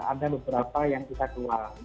ada beberapa yang kita keluar